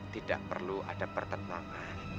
tidak perlu ada pertemangan